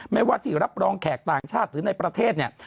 ไม่ว่าที่รับรองแขกต่างชาติหรือในประเทศเนี่ย